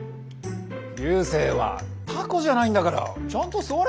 流星はタコじゃないんだからちゃんとすわれ。